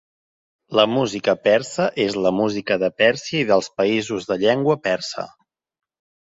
La música persa és la música de Pèrsia i dels països de llengua persa.